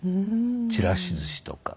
ちらしずしとか。